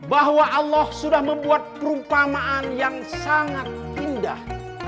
bahwa allah sudah membuat perumpamaan yang sangat indah